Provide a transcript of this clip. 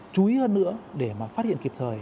chú ý hơn nữa để phát hiện kịp thời